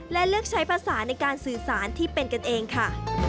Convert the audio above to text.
และเลือกใช้ภาษาในการสื่อสารที่เป็นกันเองค่ะ